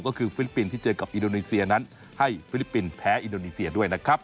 ก็คือฟิลิปปินส์ที่เจอกับอินโดนีเซียนั้นให้ฟิลิปปินส์แพ้อินโดนีเซียด้วยนะครับ